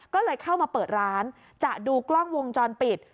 ก็เลยเข้ามาเปิดร้านจะดูกล้องวงจรปิด